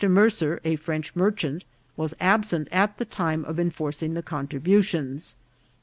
Mercer, a French merchant, was absent at the time of enforcing the contributions.